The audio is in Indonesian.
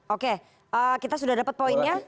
oke kita sudah dapat poinnya